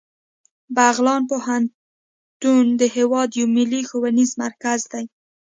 بغلان پوهنتون د هیواد یو ملي ښوونیز مرکز دی